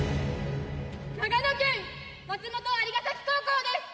長野県松本蟻ヶ崎高校です！